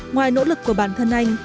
ngoài nỗ lực của bản thân anh